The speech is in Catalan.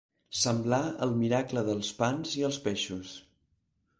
Semblar el miracle dels pans i els peixos.